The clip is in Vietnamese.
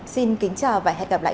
xin kính chào và hẹn gặp lại